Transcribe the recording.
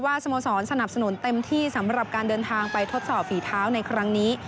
สโมสรสนับสนุนเต็มที่สำหรับการเดินทางไปทดสอบฝีเท้าในครั้งนี้